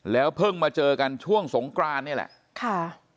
เพิ่งมาเจอกันช่วงสงกรานนี่แหละค่ะ